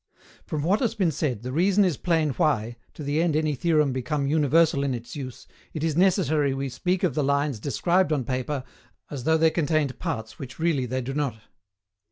From what has been said the reason is plain why, to the end any theorem become universal in its use, it is necessary we speak of the lines described on paper as though they contained parts which really they do not.